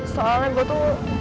soalnya gue tuh